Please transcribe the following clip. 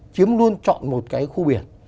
chiếm luôn chọn một cái khu biển